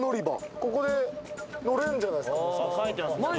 ここで乗れるんじゃないですか。